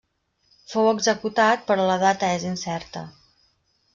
Fou executat però la data és incerta.